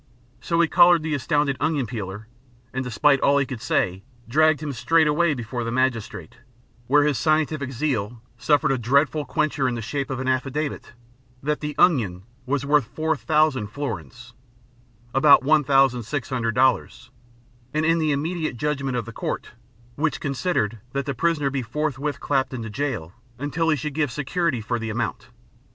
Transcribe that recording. So he collared the astounded onion peeler, and despite all he could say, dragged him straightway before the magistrate, where his scientific zeal suffered a dreadful quencher in the shape of an affidavit that the "onion" was worth four thousand florins about $1600 and in the immediate judgment of the Court, which "considered" that the prisoner be forthwith clapt into jail until he should give security for the amount.